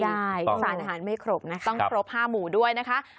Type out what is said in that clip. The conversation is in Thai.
สารอาหารไม่ครบนะต้องครบ๕หมู่ด้วยนะคะ